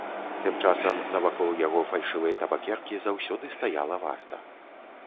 Тым часам навакол яго фальшывай табакеркі заўсёды стаяла варта.